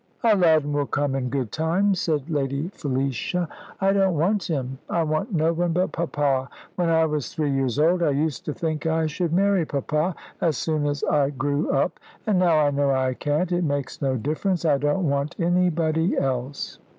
"Aladdin will come in good time," said Lady Felicia. "I don't want him. I want no one but Papa. When I was three years old I used to think I should marry Papa as soon as I grew up; and now I know I can't, it makes no difference I don't want anybody else."